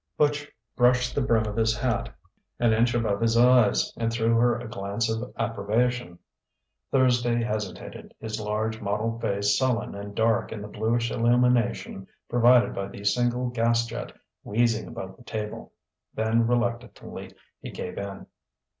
Butch brushed the brim of his hat an inch above his eyes and threw her a glance of approbation. Thursby hesitated, his large, mottled face sullen and dark in the bluish illumination provided by the single gas jet wheezing above the table. Then reluctantly he gave in.